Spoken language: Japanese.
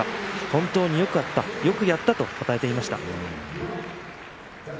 本当によくやった、よくやったとたたえていました。